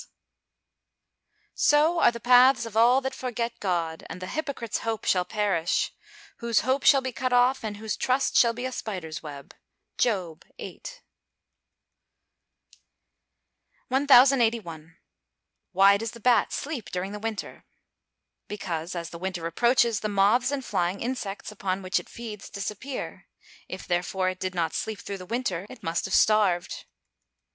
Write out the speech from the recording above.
[Verse: "So are the paths of all that forget God; and the hypocrite's hope shall perish: Whose hope shall be cut off, and whose trust shall be a spider's web." JOB VIII.] 1081. Why does the bat sleep during the winter? Because, as the winter approaches, the moths and flying insects upon which it feeds, disappear. _If, therefore, it did not sleep through the winter it must have starved.